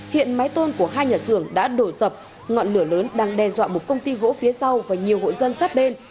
hiện máy tôn của hai nhà xưởng đã đổ dập ngọn lửa lớn đang đe dọa một công ty gỗ phía sau và nhiều hội dân sắp bên